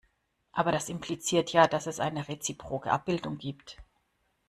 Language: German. Aber das impliziert ja, dass es eine reziproke Abbildung gibt.